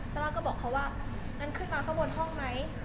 ซาร่าก็บอกเขาว่างั้นขึ้นมาข้างบนห้องไหม